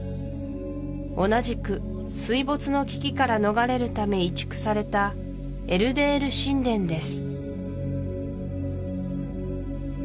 同じく水没の危機から逃れるため移築されたエル・デール神殿です